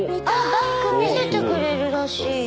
バッグ見せてくれるらしい。